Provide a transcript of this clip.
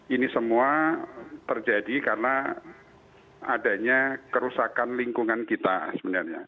ini semua terjadi karena adanya kerusakan lingkungan kita sebenarnya